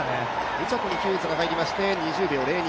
２着にヒューズが入りまして２０秒０２